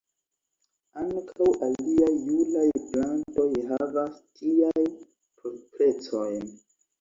Ankaŭ aliaj julaj plantoj havas tiajn proprecojn.